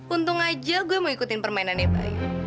untung aja gue mau ikutin permainan eta